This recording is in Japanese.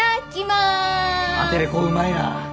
アテレコうまいな。